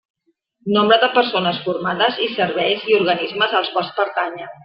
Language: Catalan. Nombre de persones formades i serveis i organismes als quals pertanyen.